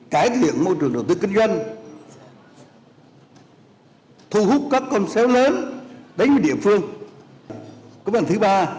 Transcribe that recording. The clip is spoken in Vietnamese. cải thiện môi trường đầu tư kinh doanh